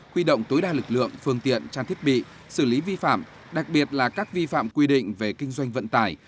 huy động tối đa lực lượng phương tiện trang thiết bị xử lý vi phạm đặc biệt là các vi phạm quy định về kinh doanh vận tải